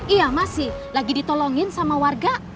iya masih lagi ditolongin sama warga